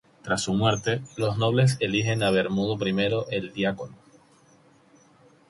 Tras su muerte, los nobles eligen a Bermudo I el Diácono.